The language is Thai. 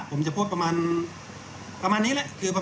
ผมจะพูดประมาณนี้แหละ